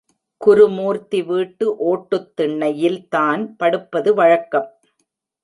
குருமூர்த்தி வீட்டு ஒட்டுத் திண்ணையில்தான் படுப்பது வழக்கம்.